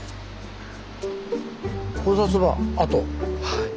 はい。